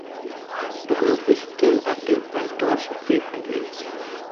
The group is still active and tours frequently.